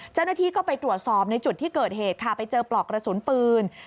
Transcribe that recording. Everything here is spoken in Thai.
เจ้าหน้าที่ก็ไปตรวจสอบในจุดที่เกิดเหตุค่ะไปเจอปลอกกระสุนปืน